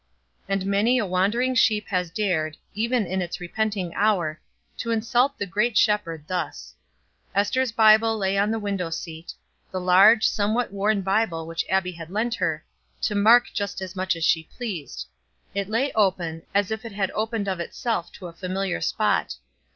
And many a wandering sheep has dared, even in its repenting hour, to insult the great Shepherd thus. Ester's Bible lay on the window seat the large, somewhat worn Bible which Abbie had lent her, to "mark just as much as she pleased;" it lay open, as if it had opened of itself to a familiar spot.